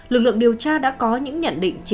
lực lượng điều tra đã có những nhận định